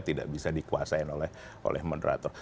tidak bisa dikuasai oleh moderator